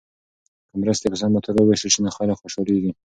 که مرستې په سمه توګه وویشل سي نو خلک خوشحالیږي.